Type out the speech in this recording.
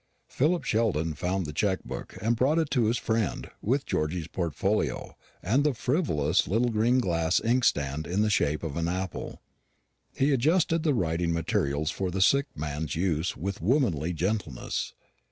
Philip Sheldon found the check book, and brought it to his friend, with Georgy's portfolio, and the frivolous little green glass inkstand in the shape of an apple. He adjusted the writing materials for the sick man's use with womanly gentleness.